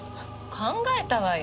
考えたわよ。